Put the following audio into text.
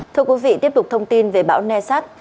thưa quý vị tiếp tục thông tin về bão nasat